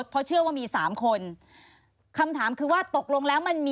ขออีกคำถามคุณท่าน